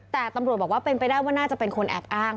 แต่ตำรวจบอกว่าเป็นไปได้ว่าน่าจะเป็นคนแอบอ้าง